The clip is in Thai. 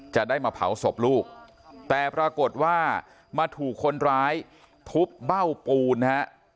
จะได้มาเผาศพลูกแต่ปรากฏว่ามาถูกคนร้ายทุบเบ้าปูนนะฮะ